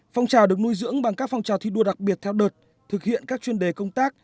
phong trào được nuôi dưỡng bằng các phong trào thi đua đặc biệt theo đợt thực hiện các chuyên đề công tác